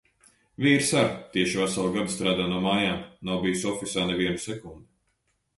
Vīrs ar’ tieši veselu gadu strādā no mājām, nav bijis ofisā ne vienu sekundi.